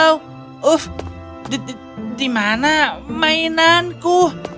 uff di mana mainanku